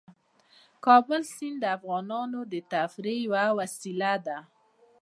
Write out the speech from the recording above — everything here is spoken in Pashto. د کابل سیند د افغانانو د تفریح یوه وسیله ده.